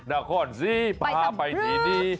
นาคอร์นซีพาไปทีนี้